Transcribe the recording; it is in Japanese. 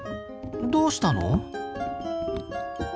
どうしたの？